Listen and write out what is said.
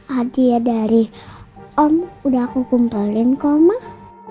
hadiah dari om udah aku kumpulin kok mas